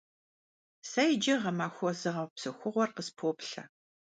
Сэ иджы гъэмахуэ зыгъэпсэхугъуэр къыспоплъэ.